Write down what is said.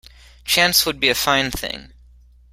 Chance would be a fine thing!